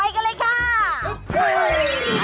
กันเลยค่ะ